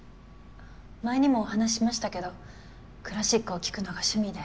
前にもお話ししましたけどクラシックを聞くのが趣味で。